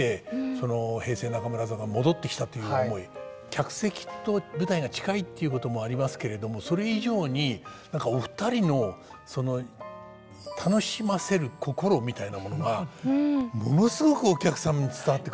客席と舞台が近いっていうこともありますけれどもそれ以上に何かお二人のその楽しませる心みたいなものがものすごくお客さんに伝わってくるっていう。